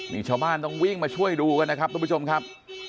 นี่ชาวบ้านต้องวิ่งมาช่วยดูกันนะครับทุกผู้ชมครับ